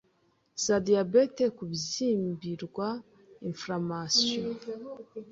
za Diyabete, kubyimbirwa inflammation